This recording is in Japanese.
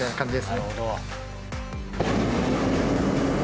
なるほど。